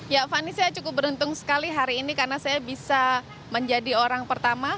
ya fani saya cukup beruntung sekali hari ini karena saya bisa menjadi orang pertama